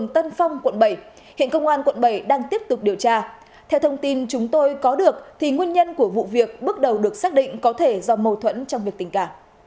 theo thông tin chúng tôi có được thì nguyên nhân của vụ việc bước đầu được xác định có thể do mâu thuẫn trong việc tình cảm